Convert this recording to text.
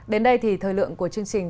đến đây thì thời lượng của chương trình